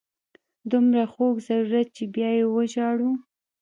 دومره خوږ ضرورت چې بیا یې وژاړو.